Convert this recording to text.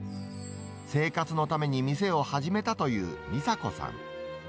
生活のために店を始めたという、みさ子さん。